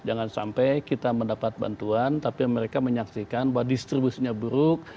jangan sampai kita mendapat bantuan tapi mereka menyaksikan bahwa distribusinya buruk